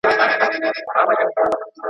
د پسونو په څیر ژوند مه کوه.